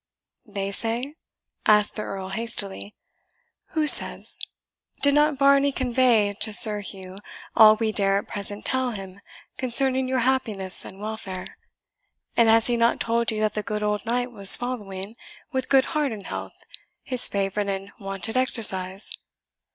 "They say?" asked the Earl hastily; "who says? Did not Varney convey to Sir Hugh all we dare at present tell him concerning your happiness and welfare? and has he not told you that the good old knight was following, with good heart and health, his favourite and wonted exercise.